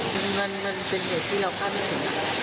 จนมันมันเป็นเหตุที่เราคาดไม่เห็น